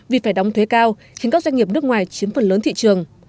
vì phải đóng thuế cao khiến các doanh nghiệp nước ngoài chiếm phần lớn thị trường